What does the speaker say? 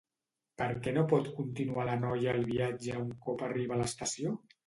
Per què no pot continuar la noia el viatge un cop arriba a l'estació?